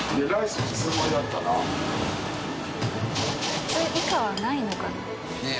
普通以下はないのかな？ねぇ。